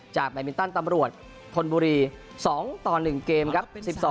จากแบบมินตันตำรวจพลบุรี๒ต่อ๑เกมครับ๑๒๒๑